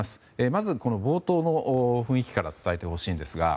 まず冒頭の雰囲気から伝えてほしいんですが。